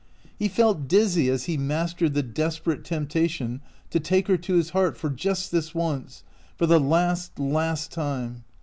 He felt dizzy as he mastered the desperate temptation to take her to his heart for just this once — for the last, last time.